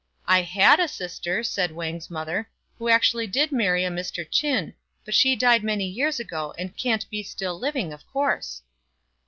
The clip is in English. "I had a sister," said Wang's mother, " who actually did marry a Mr. Ch'in, but she died many years ago, and can't be still living, of course."